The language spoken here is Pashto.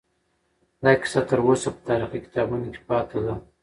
دا کیسه تر اوسه په تاریخي کتابونو کې پاتې ده.